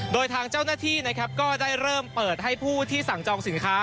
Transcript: โดยทางเจ้าหน้าที่นะครับก็ได้เริ่มเปิดให้ผู้ที่สั่งจองสินค้า